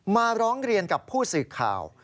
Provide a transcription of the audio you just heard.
มาร้องเรียนกับผู้สื่อข่าว